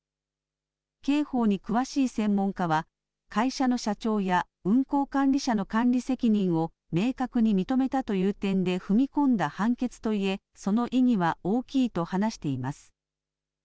刑法に詳しい専門家は、会社の社長や運行管理者の管理責任を明確に認めたという点で踏み込んだ判決といえ、その意義は大きいと話しています。